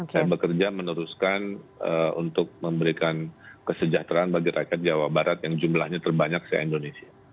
saya bekerja meneruskan untuk memberikan kesejahteraan bagi rakyat jawa barat yang jumlahnya terbanyak se indonesia